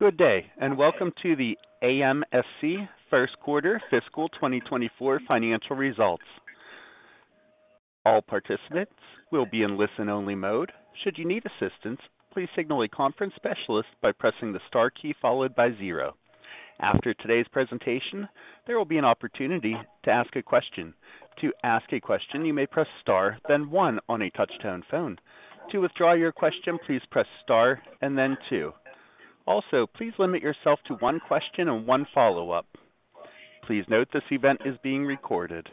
Good day, and welcome to the AMSC First Quarter Fiscal 2024 Financial Results. All participants will be in listen-only mode. Should you need assistance, please signal a conference specialist by pressing the star key followed by zero. After today's presentation, there will be an opportunity to ask a question. To ask a question, you may press Star, then One on a touchtone phone. To withdraw your question, please press Star and then Two. Also, please limit yourself to one question and one follow-up. Please note this event is being recorded.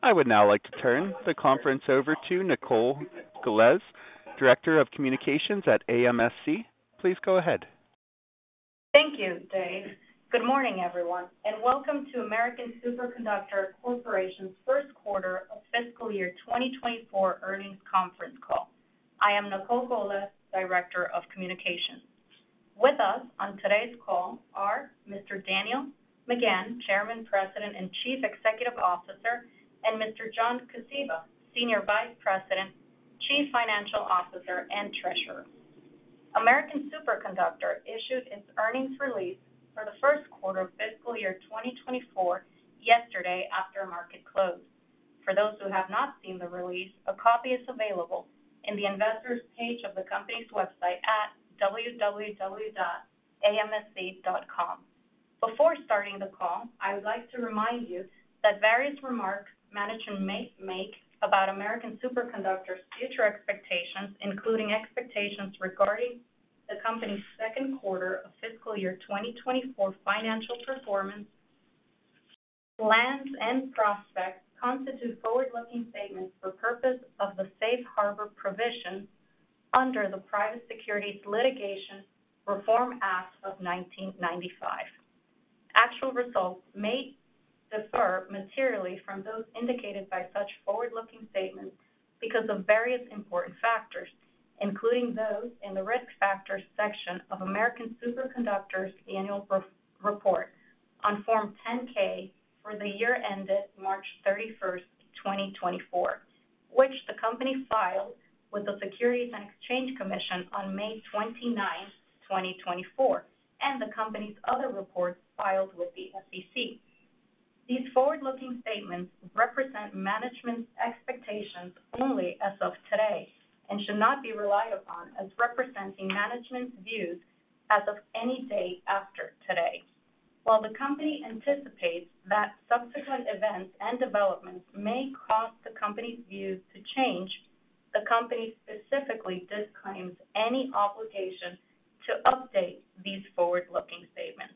I would now like to turn the conference over to Nicol Golez, Director of Communications at AMSC. Please go ahead. Thank you, Dave. Good morning, everyone, and welcome to American Superconductor Corporation's first quarter of fiscal year 2024 earnings conference call. I am Nicol Golez, Director of Communications. With us on today's call are Mr. Daniel McGahn, Chairman, President, and Chief Executive Officer, and Mr. John Kosiba, Senior Vice President, Chief Financial Officer, and Treasurer. American Superconductor issued its earnings release for the first quarter of fiscal year 2024 yesterday after market closed. For those who have not seen the release, a copy is available in the Investors page of the company's website at www.amsc.com. Before starting the call, I would like to remind you that various remarks management may make about American Superconductor's future expectations, including expectations regarding the company's second quarter of fiscal year 2024 financial performance, plans, and prospects, constitute forward-looking statements for purpose of the safe harbor provision under the Private Securities Litigation Reform Act of 1995. Actual results may differ materially from those indicated by such forward-looking statements because of various important factors, including those in the Risk Factors section of American Superconductor's Annual Report on Form 10-K for the year ended March 31, 2024, which the company filed with the Securities and Exchange Commission on May 29, 2024, and the company's other reports filed with the SEC. These forward-looking statements represent management's expectations only as of today and should not be relied upon as representing management's views as of any day after today. While the company anticipates that subsequent events and developments may cause the company's views to change, the company specifically disclaims any obligation to update these forward-looking statements.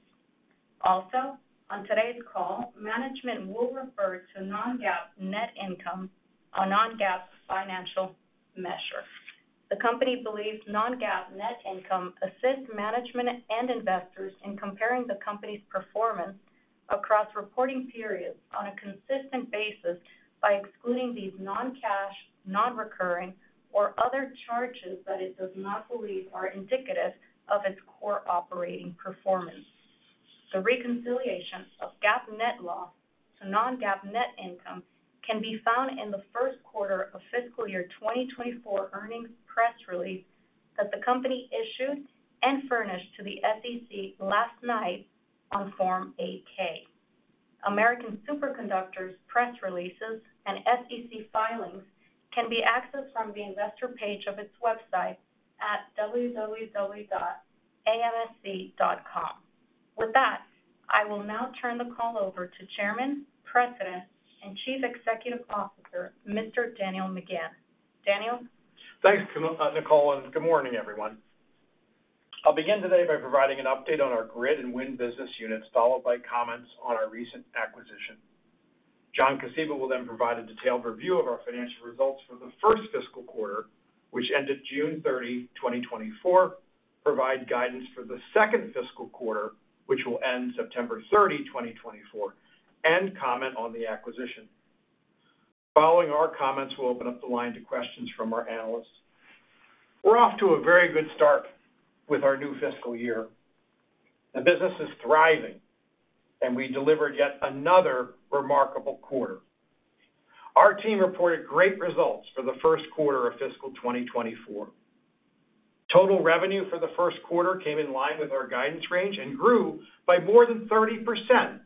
Also, on today's call, management will refer to non-GAAP net income, a non-GAAP financial measure. The company believes non-GAAP net income assists management and investors in comparing the company's performance across reporting periods on a consistent basis by excluding these non-cash, non-recurring, or other charges that it does not believe are indicative of its core operating performance. The reconciliation of GAAP net loss to non-GAAP net income can be found in the first quarter of fiscal year 2024 earnings press release that the company issued and furnished to the SEC last night on Form 8-K. American Superconductor's press releases and SEC filings can be accessed from the investor page of its website at www.amsc.com. With that, I will now turn the call over to Chairman, President, and Chief Executive Officer, Mr. Daniel McGahn. Daniel? Thanks, Nicol, and good morning, everyone. I'll begin today by providing an update on our grid and wind business units, followed by comments on our recent acquisition. John Kosiba will then provide a detailed review of our financial results for the first fiscal quarter, which ended June 30, 2024, provide guidance for the second fiscal quarter, which will end September 30, 2024, and comment on the acquisition. Following our comments, we'll open up the line to questions from our analysts. We're off to a very good start with our new fiscal year. The business is thriving, and we delivered yet another remarkable quarter. Our team reported great results for the first quarter of fiscal 2024. Total revenue for the first quarter came in line with our guidance range and grew by more than 30%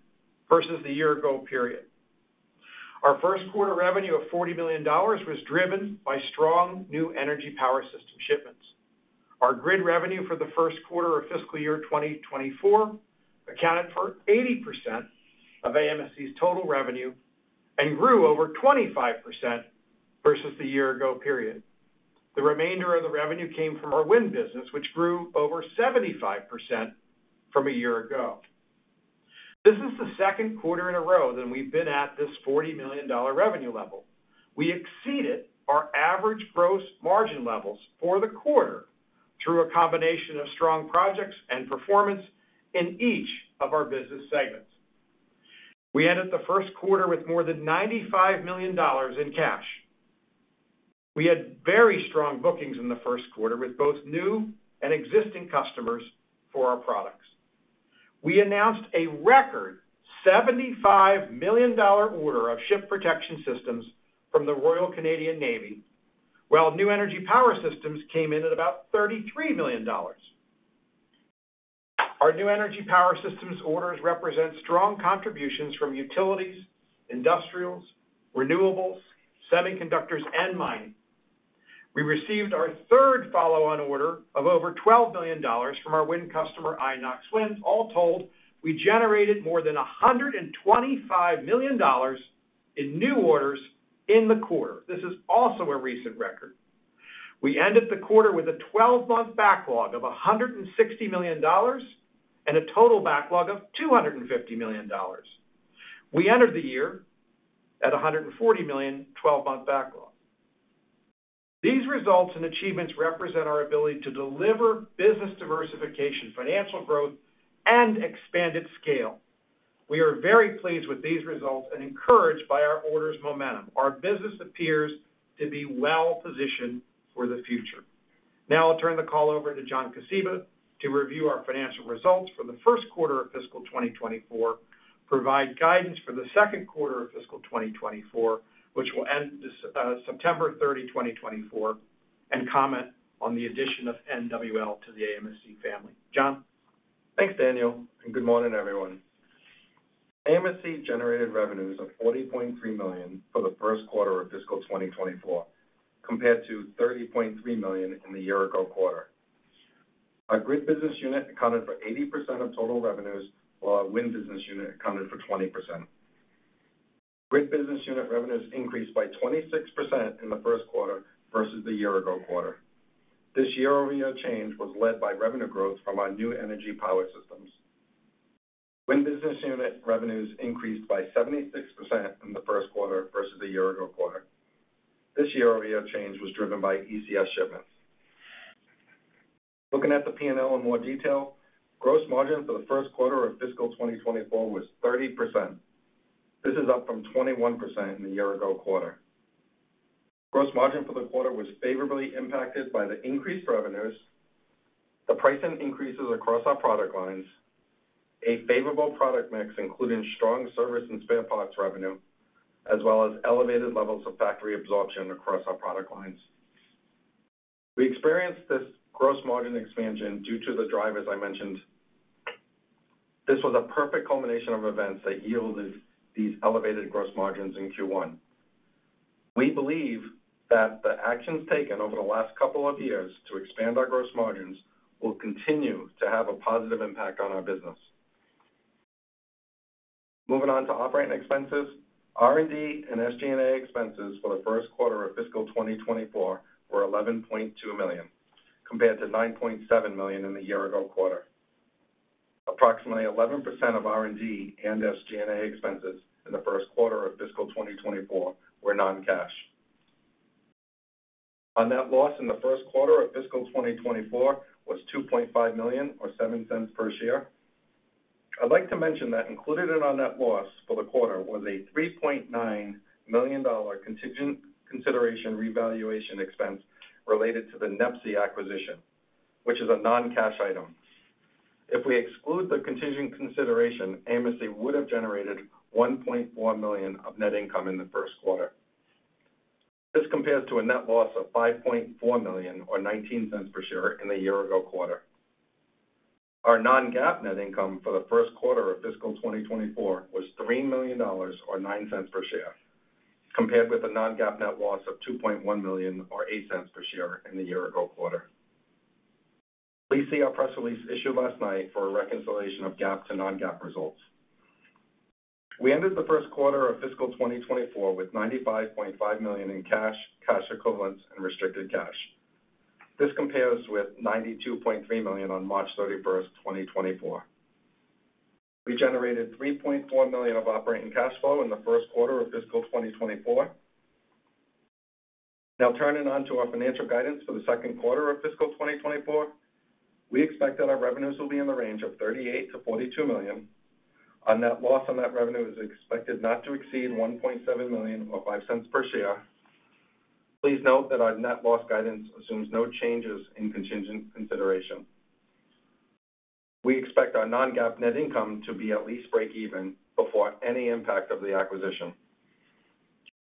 versus the year ago period. Our first quarter revenue of $40 million was driven by strong new energy power system shipments. Our grid revenue for the first quarter of fiscal year 2024 accounted for 80% of AMSC's total revenue and grew over 25% versus the year ago period. The remainder of the revenue came from our wind business, which grew over 75% from a year ago. This is the second quarter in a row that we've been at this $40 million revenue level. We exceeded our average gross margin levels for the quarter through a combination of strong projects and performance in each of our business segments. We ended the first quarter with more than $95 million in cash. We had very strong bookings in the first quarter with both new and existing customers for our products.... We announced a record $75 million order of Ship Protection Systems from the Royal Canadian Navy, while New Energy Power Systems came in at about $33 million. Our New Energy Power Systems orders represent strong contributions from utilities, industrials, renewables, semiconductors, and mining. We received our third follow-on order of over $12 million from our wind customer, Inox Wind. All told, we generated more than $125 million in new orders in the quarter. This is also a recent record. We ended the quarter with a twelve-month backlog of $160 million and a total backlog of $250 million. We entered the year at $140 million twelve-month backlog. These results and achievements represent our ability to deliver business diversification, financial growth, and expanded scale. We are very pleased with these results and encouraged by our orders momentum. Our business appears to be well-positioned for the future. Now I'll turn the call over to John Kosiba, to review our financial results for the first quarter of fiscal 2024, provide guidance for the second quarter of fiscal 2024, which will end this September 30, 2024, and comment on the addition of NWL to the AMSC family. John? Thanks, Daniel, and good morning, everyone. AMSC generated revenues of $40.3 million for the first quarter of fiscal 2024, compared to $30.3 million in the year-ago quarter. Our Grid business unit accounted for 80% of total revenues, while our Wind business unit accounted for 20%. Grid business unit revenues increased by 26% in the first quarter versus the year-ago quarter. This year-over-year change was led by revenue growth from our New Energy Power Systems. Wind business unit revenues increased by 76% in the first quarter versus the year-ago quarter. This year-over-year change was driven by ECS shipments. Looking at the P&L in more detail, gross margin for the first quarter of fiscal 2024 was 30%. This is up from 21% in the year-ago quarter. Gross margin for the quarter was favorably impacted by the increased revenues, the pricing increases across our product lines, a favorable product mix, including strong service and spare parts revenue, as well as elevated levels of factory absorption across our product lines. We experienced this gross margin expansion due to the drivers I mentioned. This was a perfect culmination of events that yielded these elevated gross margins in Q1. We believe that the actions taken over the last couple of years to expand our gross margins will continue to have a positive impact on our business. Moving on to operating expenses, R&D and SG&A expenses for the first quarter of fiscal 2024 were $11.2 million, compared to $9.7 million in the year-ago quarter. Approximately 11% of R&D and SG&A expenses in the first quarter of fiscal 2024 were non-cash. Our net loss in the first quarter of fiscal 2024 was $2.5 million, or $0.07 per share. I'd like to mention that included in our net loss for the quarter was a $3.9 million contingent consideration revaluation expense related to the NEPSI acquisition, which is a non-cash item. If we exclude the contingent consideration, AMSC would have generated $1.4 million of net income in the first quarter. This compares to a net loss of $5.4 million, or $0.19 per share in the year-ago quarter. Our non-GAAP net income for the first quarter of fiscal 2024 was $3 million, or $0.09 per share, compared with a non-GAAP net loss of $2.1 million, or $0.08 per share in the year-ago quarter. Please see our press release issued last night for a reconciliation of GAAP to non-GAAP results. We ended the first quarter of fiscal 2024 with $95.5 million in cash, cash equivalents, and restricted cash. This compares with $92.3 million on March 31, 2024. We generated $3.4 million of operating cash flow in the first quarter of fiscal 2024. Now turning on to our financial guidance for the second quarter of fiscal 2024. We expect that our revenues will be in the range of $38 million-$42 million. Our net loss on that revenue is expected not to exceed $1.7 million or $0.05 per share. Please note that our net loss guidance assumes no changes in contingent consideration. We expect our non-GAAP net income to be at least breakeven before any impact of the acquisition.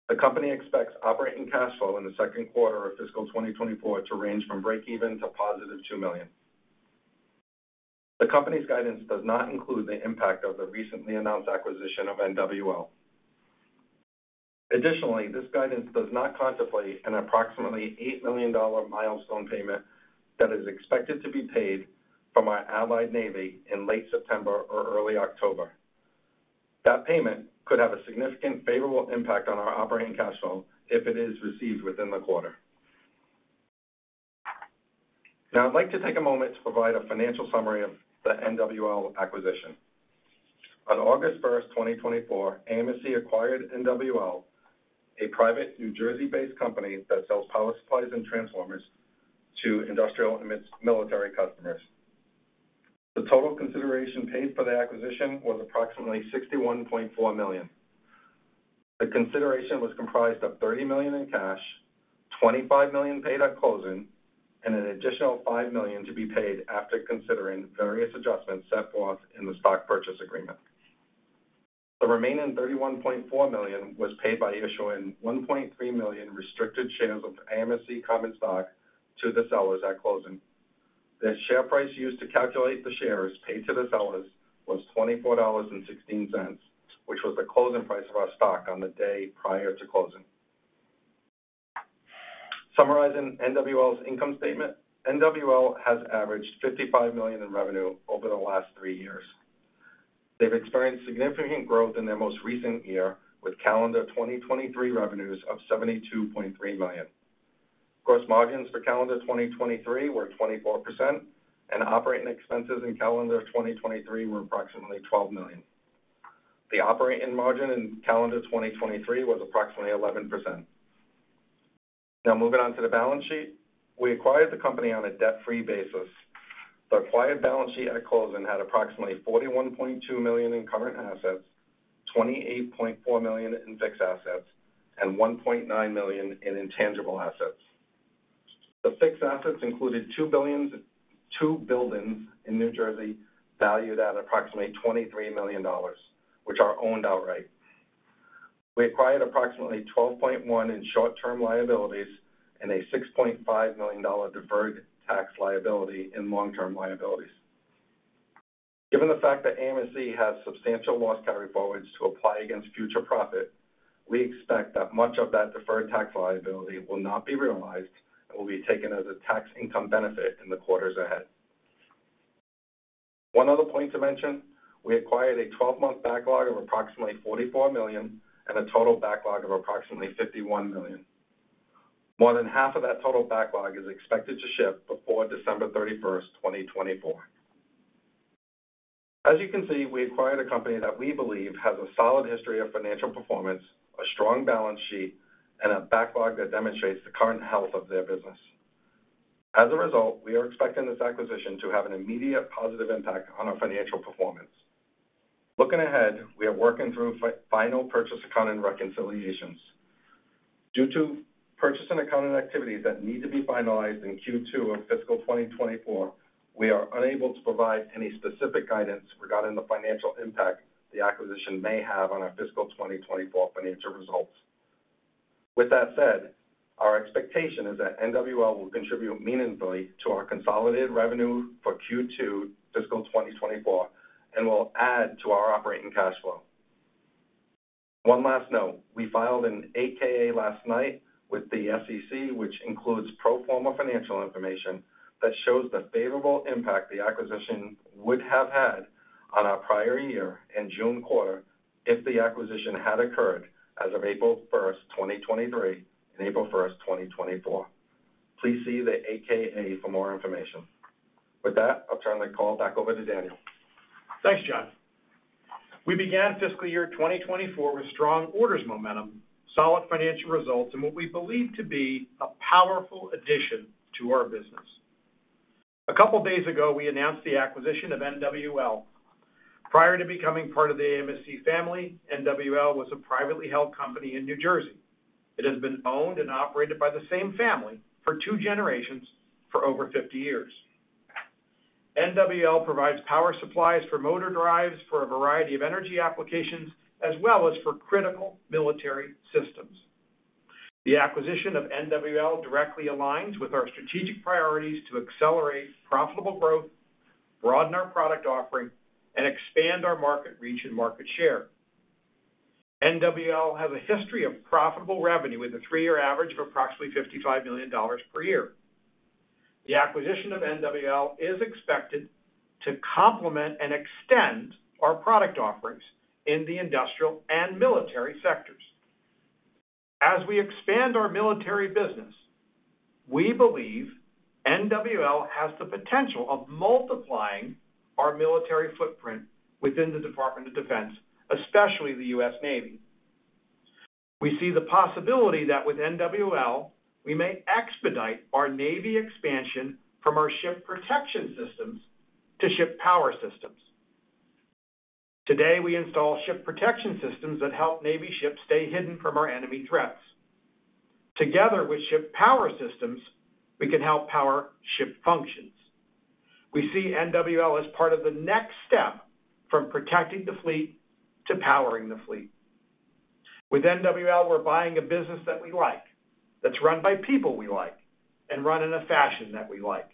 The company expects operating cash flow in the second quarter of fiscal 2024 to range from breakeven to +$2 million. The company's guidance does not include the impact of the recently announced acquisition of NWL. Additionally, this guidance does not contemplate an approximately $8 million milestone payment that is expected to be paid from our allied navy in late September or early October. That payment could have a significant favorable impact on our operating cash flow if it is received within the quarter. Now, I'd like to take a moment to provide a financial summary of the NWL acquisition. On August 1, 2024, AMSC acquired NWL, a private New Jersey-based company that sells power supplies and transformers to industrial and military customers. The total consideration paid for the acquisition was approximately $61.4 million.... The consideration was comprised of $30 million in cash, $25 million paid at closing, and an additional $5 million to be paid after considering various adjustments set forth in the stock purchase agreement. The remaining $31.4 million was paid by issuing 1.3 million restricted shares of AMSC common stock to the sellers at closing. The share price used to calculate the shares paid to the sellers was $24.16, which was the closing price of our stock on the day prior to closing. Summarizing NWL's income statement, NWL has averaged $55 million in revenue over the last three years. They've experienced significant growth in their most recent year, with calendar 2023 revenues of $72.3 million. Gross margins for calendar 2023 were 24%, and operating expenses in calendar 2023 were approximately $12 million. The operating margin in calendar 2023 was approximately 11%. Now, moving on to the balance sheet. We acquired the company on a debt-free basis. The acquired balance sheet at closing had approximately $41.2 million in current assets, $28.4 million in fixed assets, and $1.9 million in intangible assets. The fixed assets included two buildings in New Jersey, valued at approximately $23 million, which are owned outright. We acquired approximately $12.1 million in short-term liabilities and a $6.5 million deferred tax liability in long-term liabilities. Given the fact that AMSC has substantial loss carryforwards to apply against future profit, we expect that much of that deferred tax liability will not be realized and will be taken as a tax income benefit in the quarters ahead. One other point to mention, we acquired a 12-month backlog of approximately $44 million and a total backlog of approximately $51 million. More than half of that total backlog is expected to ship before December 31, 2024. As you can see, we acquired a company that we believe has a solid history of financial performance, a strong balance sheet, and a backlog that demonstrates the current health of their business. As a result, we are expecting this acquisition to have an immediate positive impact on our financial performance. Looking ahead, we are working through final purchase accounting reconciliations. Due to purchase and accounting activities that need to be finalized in Q2 of fiscal 2024, we are unable to provide any specific guidance regarding the financial impact the acquisition may have on our fiscal 2024 financial results. With that said, our expectation is that NWL will contribute meaningfully to our consolidated revenue for Q2 fiscal 2024, and will add to our operating cash flow. One last note: we filed an 8-K last night with the SEC, which includes pro forma financial information that shows the favorable impact the acquisition would have had on our prior year and June quarter if the acquisition had occurred as of April 1, 2023, and April 1, 2024. Please see the 8-K for more information. With that, I'll turn the call back over to Daniel. Thanks, John. We began fiscal year 2024 with strong orders momentum, solid financial results, and what we believe to be a powerful addition to our business. A couple days ago, we announced the acquisition of NWL. Prior to becoming part of the AMSC family, NWL was a privately held company in New Jersey. It has been owned and operated by the same family for two generations for over 50 years. NWL provides power supplies for motor drives for a variety of energy applications, as well as for critical military systems. The acquisition of NWL directly aligns with our strategic priorities to accelerate profitable growth, broaden our product offering, and expand our market reach and market share. NWL has a history of profitable revenue, with a three-year average of approximately $55 million per year. The acquisition of NWL is expected to complement and extend our product offerings in the industrial and military sectors. As we expand our military business, we believe NWL has the potential of multiplying our military footprint within the Department of Defense, especially the U.S. Navy. We see the possibility that with NWL, we may expedite our Navy expansion from our ship protection systems to ship power systems. Today, we install ship protection systems that help Navy ships stay hidden from our enemy threats. Together with ship power systems, we can help power ship functions. We see NWL as part of the next step from protecting the fleet to powering the fleet. With NWL, we're buying a business that we like, that's run by people we like, and run in a fashion that we like.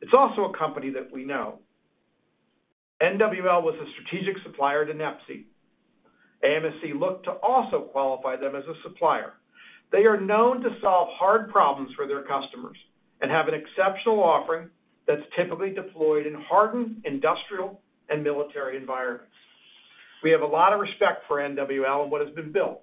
It's also a company that we know. NWL was a strategic supplier to NEPSI. AMSC looked to also qualify them as a supplier. They are known to solve hard problems for their customers and have an exceptional offering that's typically deployed in hardened industrial and military environments. We have a lot of respect for NWL and what has been built.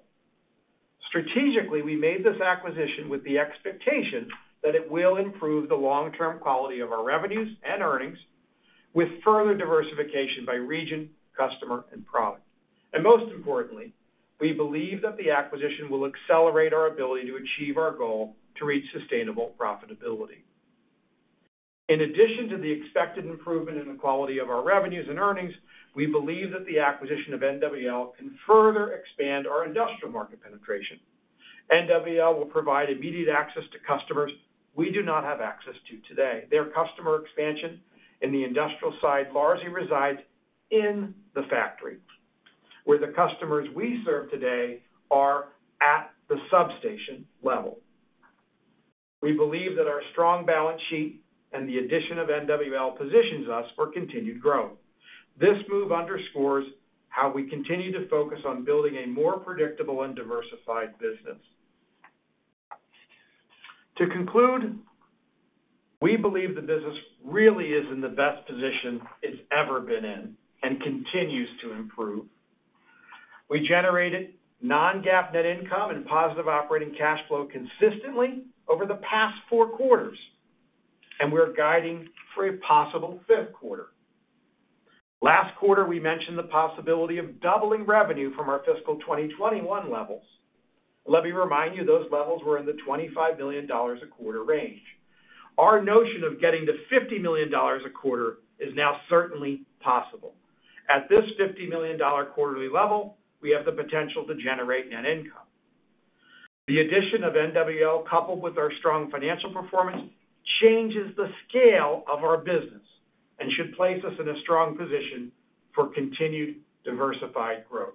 Strategically, we made this acquisition with the expectation that it will improve the long-term quality of our revenues and earnings, with further diversification by region, customer, and product. And most importantly, we believe that the acquisition will accelerate our ability to achieve our goal to reach sustainable profitability.... In addition to the expected improvement in the quality of our revenues and earnings, we believe that the acquisition of NWL can further expand our industrial market penetration. NWL will provide immediate access to customers we do not have access to today. Their customer expansion in the industrial side largely resides in the factory, where the customers we serve today are at the substation level. We believe that our strong balance sheet and the addition of NWL positions us for continued growth. This move underscores how we continue to focus on building a more predictable and diversified business. To conclude, we believe the business really is in the best position it's ever been in and continues to improve. We generated Non-GAAP net income and positive Operating Cash Flow consistently over the past four quarters, and we're guiding for a possible fifth quarter. Last quarter, we mentioned the possibility of doubling revenue from our fiscal 2021 levels. Let me remind you, those levels were in the $25 million a quarter range. Our notion of getting to $50 million a quarter is now certainly possible. At this $50 million quarterly level, we have the potential to generate net income. The addition of NWL, coupled with our strong financial performance, changes the scale of our business and should place us in a strong position for continued diversified growth.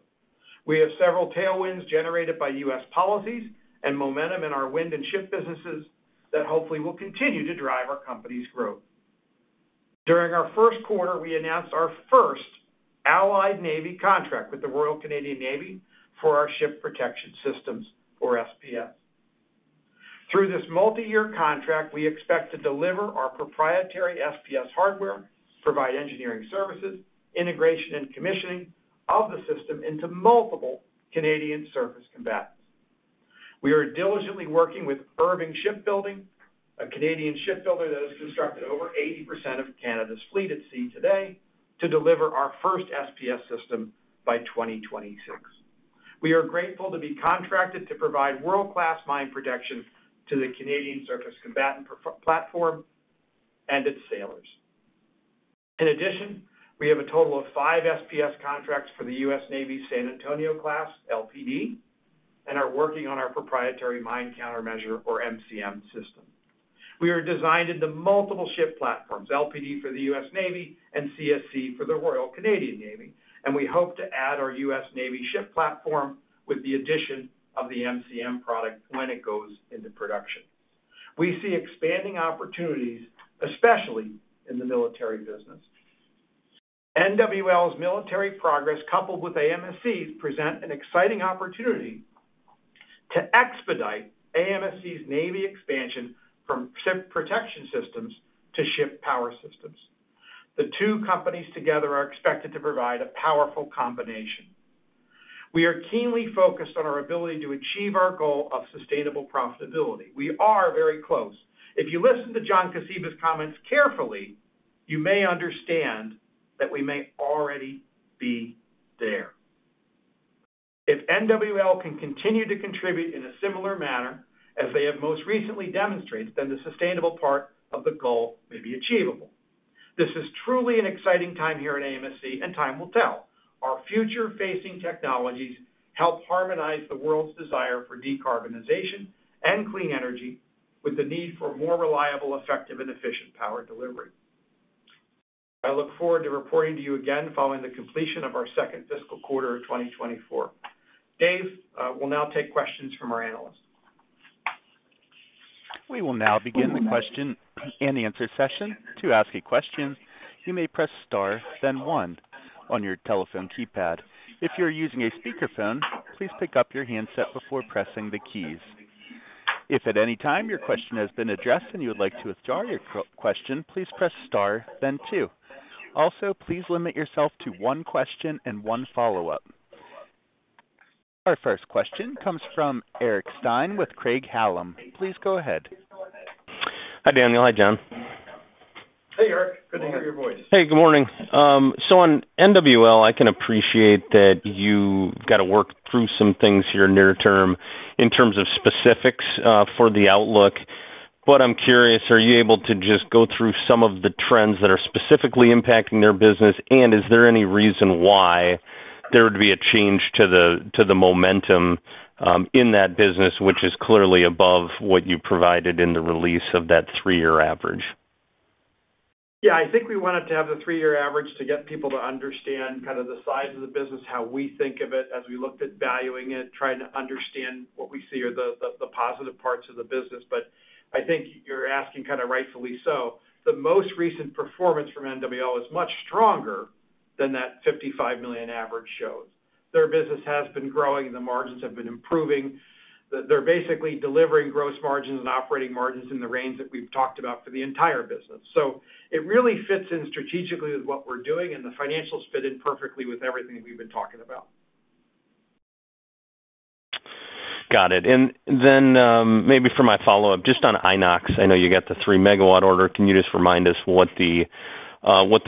We have several tailwinds generated by U.S. policies and momentum in our wind and ship businesses that hopefully will continue to drive our company's growth. During our first quarter, we announced our first Allied Navy contract with the Royal Canadian Navy for our ship protection systems, or SPS. Through this multiyear contract, we expect to deliver our proprietary SPS hardware, provide engineering services, integration, and commissioning of the system into multiple Canadian surface combatants. We are diligently working with Irving Shipbuilding, a Canadian shipbuilder that has constructed over 80% of Canada's fleet at sea today, to deliver our first SPS system by 2026. We are grateful to be contracted to provide world-class mine protection to the Canadian Surface Combatant platform and its sailors. In addition, we have a total of five SPS contracts for the U.S. Navy San Antonio Class LPD, and are working on our proprietary Mine Countermeasure, or MCM, system. We are designed into multiple ship platforms, LPD for the U.S. Navy and CSC for the Royal Canadian Navy, and we hope to add our U.S. Navy ship platform with the addition of the MCM product when it goes into production. We see expanding opportunities, especially in the military business. NWL's military progress, coupled with AMSC's, present an exciting opportunity to expedite AMSC's Navy expansion from ship protection systems to ship power systems. The two companies together are expected to provide a powerful combination. We are keenly focused on our ability to achieve our goal of sustainable profitability. We are very close. If you listen to John Kosiba's comments carefully, you may understand that we may already be there. If NWL can continue to contribute in a similar manner as they have most recently demonstrated, then the sustainable part of the goal may be achievable. This is truly an exciting time here at AMSC, and time will tell. Our future-facing technologies help harmonize the world's desire for decarbonization and clean energy, with the need for more reliable, effective, and efficient power delivery. I look forward to reporting to you again following the completion of our second fiscal quarter of 2024. Dave, we'll now take questions from our analysts. We will now begin the question and answer session. To ask a question, you may press star, then one on your telephone keypad. If you're using a speakerphone, please pick up your handset before pressing the keys. If at any time your question has been addressed and you would like to withdraw your question, please press star, then two. Also, please limit yourself to one question and one follow-up. Our first question comes from Eric Stine with Craig-Hallum. Please go ahead. Hi, Daniel. Hi, John. Hey, Eric. Good to hear your voice. Hey, good morning. So on NWL, I can appreciate that you've got to work through some things here near term in terms of specifics, for the outlook. But I'm curious, are you able to just go through some of the trends that are specifically impacting their business? And is there any reason why there would be a change to the, to the momentum, in that business, which is clearly above what you provided in the release of that three-year average? Yeah, I think we wanted to have the three-year average to get people to understand kind of the size of the business, how we think of it as we looked at valuing it, trying to understand what we see are the positive parts of the business. But I think you're asking kind of rightfully so. The most recent performance from NWL is much stronger than that $55 million average shows. Their business has been growing, the margins have been improving. They're basically delivering gross margins and operating margins in the range that we've talked about for the entire business. So it really fits in strategically with what we're doing, and the financials fit in perfectly with everything we've been talking about. Got it. And then, maybe for my follow-up, just on Inox, I know you got the 3-megawatt order. Can you just remind us what the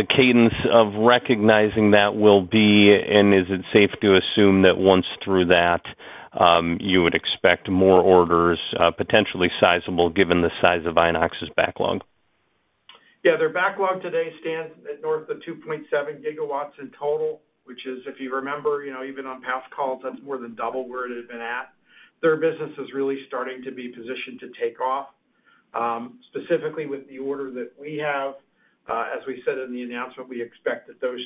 cadence of recognizing that will be, and is it safe to assume that once through that, you would expect more orders, potentially sizable, given the size of Inox's backlog? Yeah, their backlog today stands at north of 2.7 gigawatts in total, which is, if you remember, you know, even on past calls, that's more than double where it had been at. Their business is really starting to be positioned to take off. Specifically with the order that we have, as we said in the announcement, we expect that those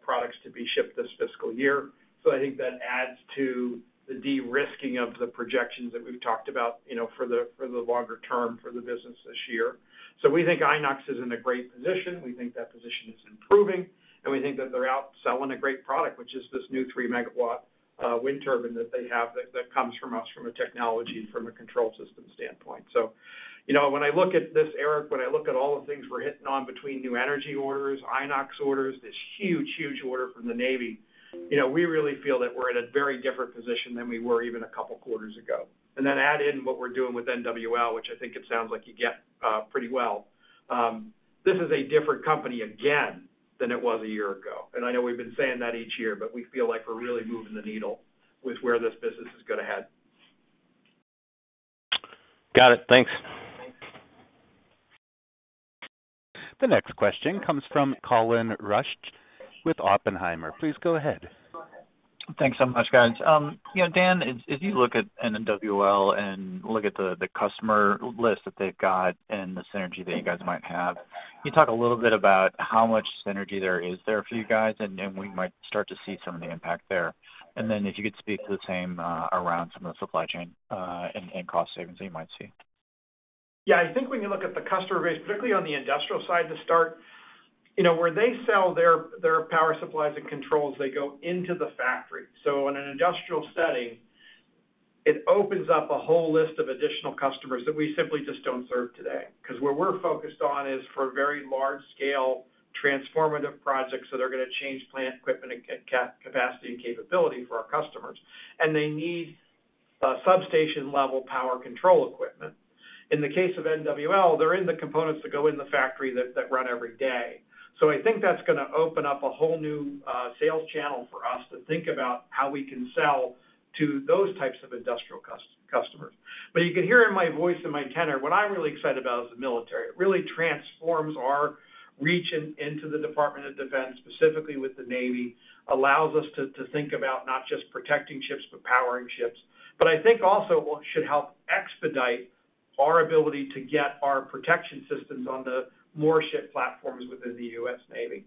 products to be shipped this fiscal year. So I think that adds to the de-risking of the projections that we've talked about, you know, for the longer term for the business this year. So we think Inox is in a great position. We think that position is improving, and we think that they're out selling a great product, which is this new 3-megawatt wind turbine that they have, that comes from us from a technology, from a control system standpoint. So, you know, when I look at this, Eric, when I look at all the things we're hitting on between new energy orders, Inox orders, this huge, huge order from the Navy, you know, we really feel that we're in a very different position than we were even a couple quarters ago. And then add in what we're doing with NWL, which I think it sounds like you get, pretty well. This is a different company again, than it was a year ago. And I know we've been saying that each year, but we feel like we're really moving the needle with where this business is gonna head. Got it. Thanks. Thanks. The next question comes from Colin Rusch with Oppenheimer. Please go ahead. Thanks so much, guys. You know, Dan, as you look at NWL and look at the customer list that they've got and the synergy that you guys might have, can you talk a little bit about how much synergy there is there for you guys, and we might start to see some of the impact there? And then if you could speak to the same around some of the supply chain and cost savings that you might see. Yeah, I think when you look at the customer base, particularly on the industrial side to start, you know, where they sell their power supplies and controls, they go into the factory. So in an industrial setting, it opens up a whole list of additional customers that we simply just don't serve today. 'Cause what we're focused on is for very large scale, transformative projects that are gonna change plant equipment and capacity and capability for our customers, and they need substation-level power control equipment. In the case of NWL, they're in the components that go in the factory that run every day. So I think that's gonna open up a whole new sales channel for us to think about how we can sell to those types of industrial customers. But you can hear in my voice and my tenor, what I'm really excited about is the military. It really transforms our reach into the Department of Defense, specifically with the Navy. Allows us to think about not just protecting ships, but powering ships. But I think also what should help expedite our ability to get our protection systems on the more ship platforms within the US Navy.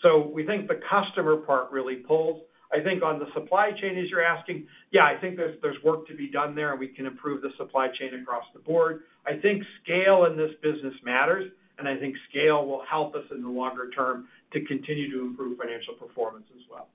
So we think the customer part really pulls. I think on the supply chain, as you're asking, yeah, I think there's work to be done there, and we can improve the supply chain across the board. I think scale in this business matters, and I think scale will help us in the longer term to continue to improve financial performance as well.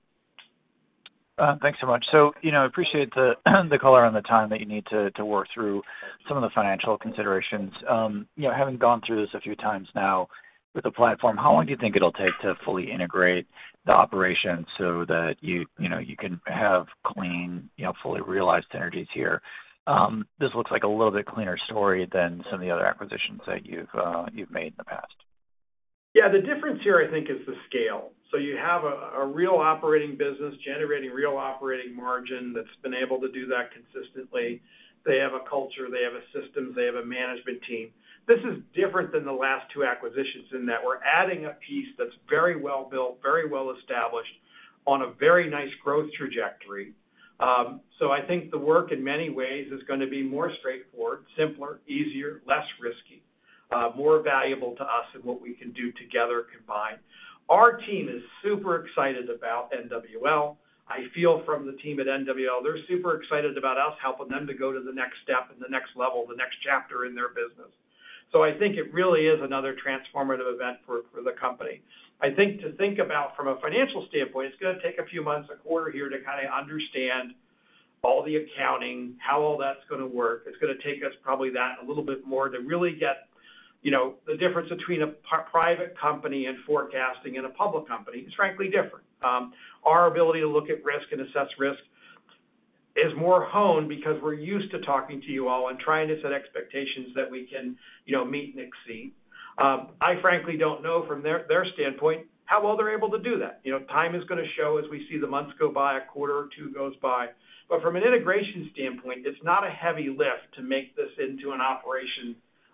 Thanks so much. So, you know, I appreciate the color on the time that you need to work through some of the financial considerations. You know, having gone through this a few times now with the platform, how long do you think it'll take to fully integrate the operation so that you know you can have clean, you know, fully realized synergies here? This looks like a little bit cleaner story than some of the other acquisitions that you've made in the past. Yeah, the difference here, I think, is the scale. So you have a, a real operating business generating real operating margin that's been able to do that consistently. They have a culture, they have a system, they have a management team. This is different than the last two acquisitions in that we're adding a piece that's very well built, very well established, on a very nice growth trajectory. So I think the work, in many ways, is gonna be more straightforward, simpler, easier, less risky, more valuable to us and what we can do together, combined. Our team is super excited about NWL. I feel from the team at NWL, they're super excited about us helping them to go to the next step and the next level, the next chapter in their business. So I think it really is another transformative event for, for the company. I think to think about from a financial standpoint, it's gonna take a few months, a quarter here, to kind of understand all the accounting, how all that's gonna work. It's gonna take us probably that, a little bit more to really get, you know, the difference between a private company and forecasting, and a public company. It's frankly different. Our ability to look at risk and assess risk is more honed because we're used to talking to you all and trying to set expectations that we can, you know, meet and exceed. I frankly don't know from their, their standpoint, how well they're able to do that. You know, time is gonna show as we see the months go by, a quarter or two goes by. But from an integration standpoint, it's not a heavy lift to make this into an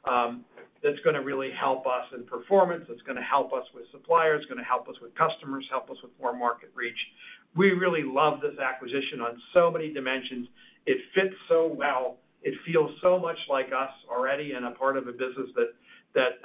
operation that's gonna really help us in performance, that's gonna help us with suppliers, gonna help us with customers, help us with more market reach. We really love this acquisition on so many dimensions. It fits so well. It feels so much like us already, and a part of a business that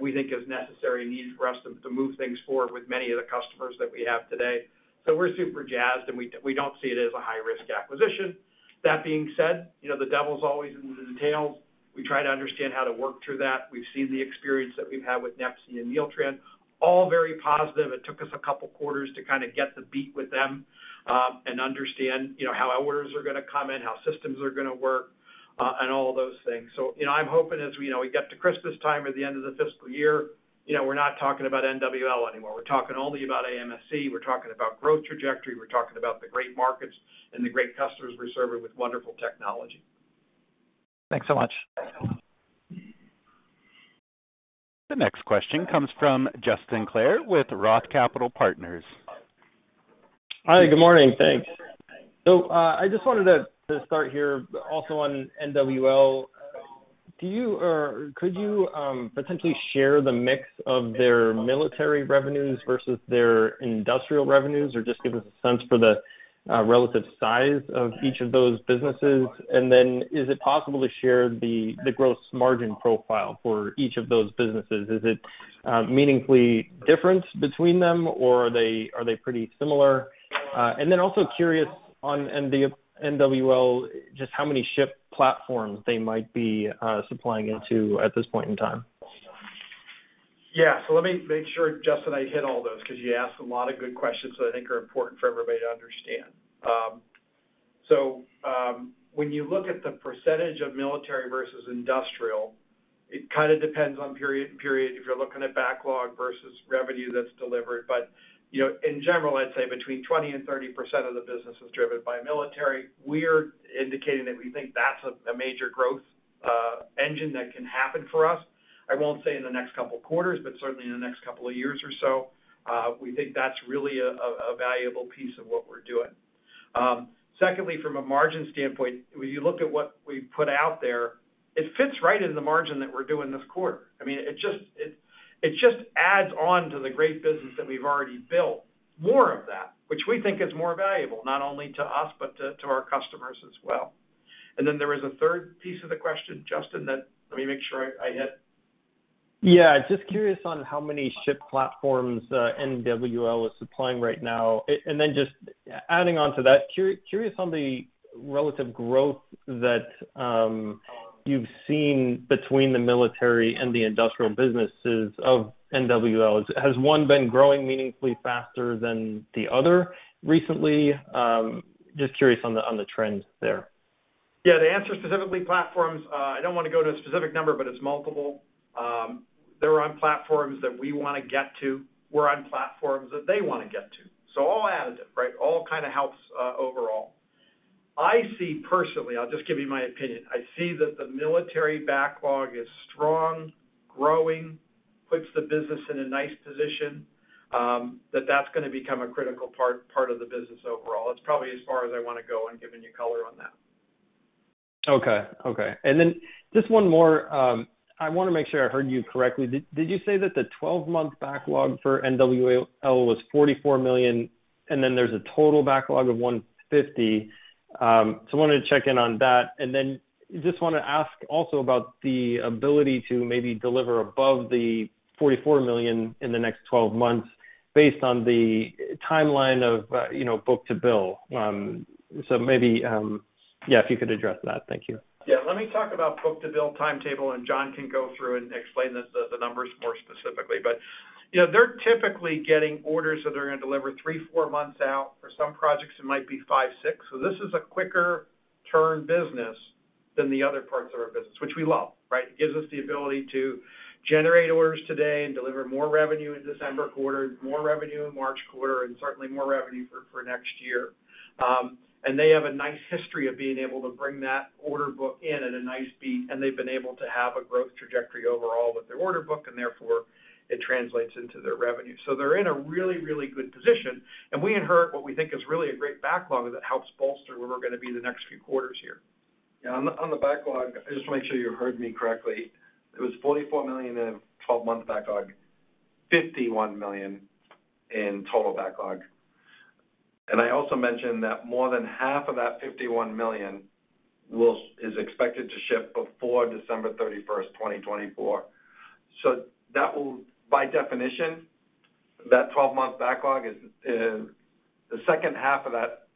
we think is necessary and needed for us to move things forward with many of the customers that we have today. So we're super jazzed, and we don't see it as a high-risk acquisition. That being said, you know, the devil's always in the details. We try to understand how to work through that. We've seen the experience that we've had with NEPSI and Neeltran, all very positive. It took us a couple quarters to kind of get the beat with them, and understand, you know, how orders are gonna come in, how systems are gonna work, and all those things. So, you know, I'm hoping, as we know, we get to Christmas time or the end of the fiscal year, you know, we're not talking about NWL anymore. We're talking only about AMSC. We're talking about growth trajectory. We're talking about the great markets and the great customers we're serving with wonderful technology.... Thanks so much. The next question comes from Justin Clare with Roth Capital Partners. Hi, good morning. Thanks. So, I just wanted to start here also on NWL. Do you or could you potentially share the mix of their military revenues versus their industrial revenues? Or just give us a sense for the relative size of each of those businesses. And then is it possible to share the gross margin profile for each of those businesses? Is it meaningfully different between them, or are they pretty similar? And then also curious on the NWL, just how many ship platforms they might be supplying into at this point in time. Yeah, so let me make sure, Justin, I hit all those, 'cause you asked a lot of good questions that I think are important for everybody to understand. When you look at the percentage of military versus industrial, it kind of depends on period to period, if you're looking at backlog versus revenue that's delivered. But, you know, in general, I'd say between 20% and 30% of the business is driven by military. We're indicating that we think that's a major growth engine that can happen for us. I won't say in the next couple quarters, but certainly in the next couple of years or so. We think that's really a valuable piece of what we're doing. Secondly, from a margin standpoint, when you look at what we've put out there, it fits right in the margin that we're doing this quarter. I mean, it just adds on to the great business that we've already built, more of that, which we think is more valuable, not only to us, but to our customers as well. And then there was a third piece of the question, Justin, that let me make sure I hit. Yeah, just curious on how many ship platforms NWL is supplying right now. And then just adding on to that, curious on the relative growth that you've seen between the military and the industrial businesses of NWL. Has one been growing meaningfully faster than the other recently? Just curious on the trend there. Yeah, the answer, specifically platforms, I don't wanna go to a specific number, but it's multiple. They're on platforms that we wanna get to. We're on platforms that they wanna get to. So all additive, right? All kind of helps, overall. I see personally, I'll just give you my opinion, I see that the military backlog is strong, growing, puts the business in a nice position, that that's gonna become a critical part of the business overall. It's probably as far as I wanna go on giving you color on that. Okay. Okay, and then just one more. I wanna make sure I heard you correctly. Did you say that the 12-month backlog for NWL was $44 million, and then there's a total backlog of $150 million? So I wanted to check in on that. And then just wanna ask also about the ability to maybe deliver above the $44 million in the next 12 months based on the timeline of, you know, book-to-bill. So maybe, yeah, if you could address that. Thank you. Yeah, let me talk about book-to-bill timetable, and John can go through and explain the numbers more specifically. But, you know, they're typically getting orders that they're gonna deliver 3-4 months out. For some projects, it might be 5-6. So this is a quicker turn business than the other parts of our business, which we love, right? It gives us the ability to generate orders today and deliver more revenue in December quarter, more revenue in March quarter, and certainly more revenue for next year. And they have a nice history of being able to bring that order book in at a nice beat, and they've been able to have a growth trajectory overall with their order book, and therefore, it translates into their revenue. So they're in a really, really good position, and we inherit what we think is really a great backlog that helps bolster where we're gonna be in the next few quarters here. Yeah, on the, on the backlog, I just wanna make sure you heard me correctly. It was $44 million in 12-month backlog, $51 million in total backlog. And I also mentioned that more than half of that $51 million will – is expected to ship before December 31, 2024. So that will, by definition, that 12-month backlog is, the second half of that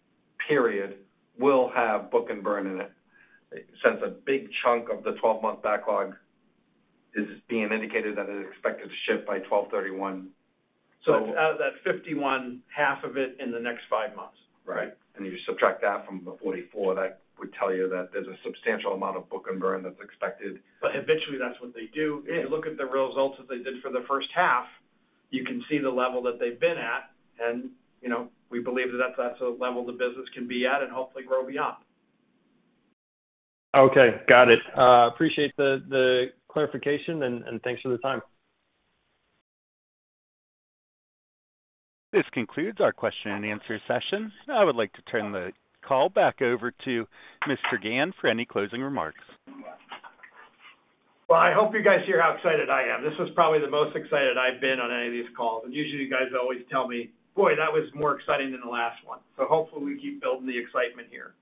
period will have book and burn in it. Since a big chunk of the 12-month backlog is being indicated that it is expected to ship by 12/31, so- So out of that 51, half of it in the next five months. Right. And you subtract that from the 44, that would tell you that there's a substantial amount of book and burn that's expected. But eventually, that's what they do. Yeah. If you look at the results that they did for the first half, you can see the level that they've been at. You know, we believe that that's a level the business can be at and hopefully grow beyond. Okay, got it. Appreciate the clarification, and thanks for the time. This concludes our question and answer session. I would like to turn the call back over to Mr. McGahn for any closing remarks. Well, I hope you guys hear how excited I am. This was probably the most excited I've been on any of these calls, and usually, you guys always tell me, "Boy, that was more exciting than the last one." So hopefully, we keep building the excitement here.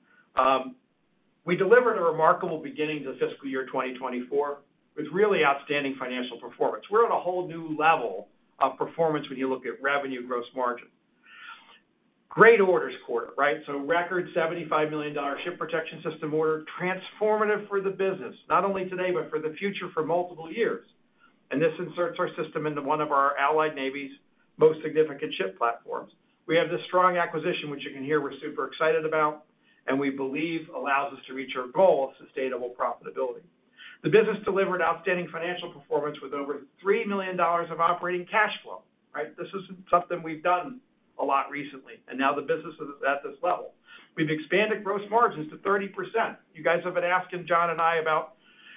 We delivered a remarkable beginning to fiscal year 2024 with really outstanding financial performance. We're at a whole new level of performance when you look at revenue, gross margin. Great orders quarter, right? So record $75 million Ship Protection System order, transformative for the business, not only today, but for the future for multiple years. And this inserts our system into one of our allied navy's most significant ship platforms. We have this strong acquisition, which you can hear we're super excited about, and we believe allows us to reach our goal of sustainable profitability. The business delivered outstanding financial performance with over $3 million of operating cash flow, right? This isn't something we've done a lot recently, and now the business is at this level. We've expanded gross margins to 30%. You guys have been asking John and I about,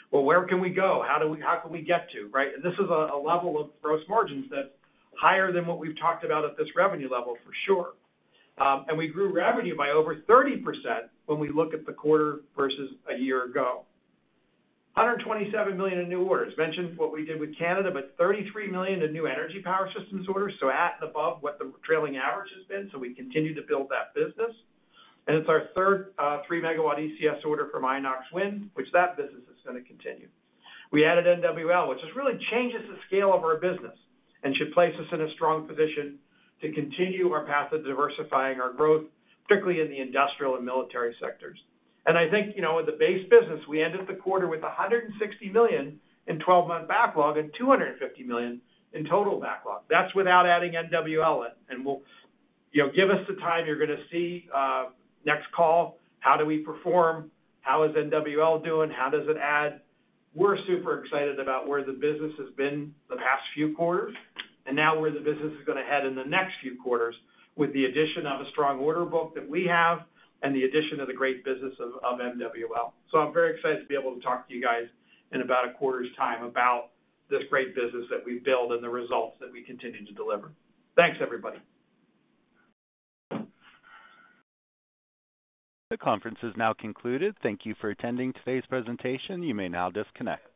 "Well, where can we go? How do we - how can we get to," right? This is a, a level of gross margins that's higher than what we've talked about at this revenue level, for sure. And we grew revenue by over 30% when we look at the quarter versus a year ago. $127 million in new orders. Mentioned what we did with Canada, but $33 million in New Energy Power Systems orders, so at and above what the trailing average has been, so we continue to build that business. It's our third 3-megawatt ECS order from Inox Wind, which that business is gonna continue. We added NWL, which just really changes the scale of our business and should place us in a strong position to continue our path of diversifying our growth, particularly in the industrial and military sectors. I think, you know, in the base business, we ended the quarter with $160 million in twelve-month backlog and $250 million in total backlog. That's without adding NWL in, and we'll. You know, give us the time, you're gonna see, next call, how do we perform? How is NWL doing? How does it add? We're super excited about where the business has been the past few quarters, and now where the business is gonna head in the next few quarters, with the addition of a strong order book that we have and the addition of the great business of NWL. So I'm very excited to be able to talk to you guys in about a quarter's time about this great business that we've built and the results that we continue to deliver. Thanks, everybody. The conference is now concluded. Thank you for attending today's presentation. You may now disconnect.